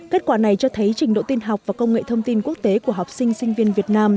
kết quả này cho thấy trình độ tin học và công nghệ thông tin quốc tế của học sinh sinh viên việt nam